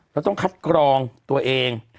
เราต้องคัดกรองตัวเอง